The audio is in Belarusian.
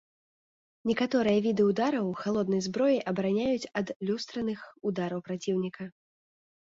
Некаторыя віды ўдараў халоднай зброяй абараняюць ад люстраных удараў праціўніка.